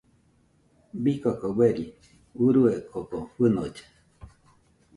Bii koko uerilli urue koko fɨnolle.